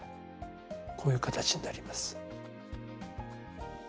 こういう形になります。